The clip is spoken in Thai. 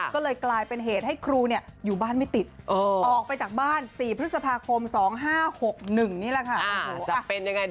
ก็เลยกลายเป็นเหตุให้ครูอยู่บ้านไม่ติดออกไปจากบ้าน๔พฤษภาคม๒๕๖๑นี่แหละค่ะ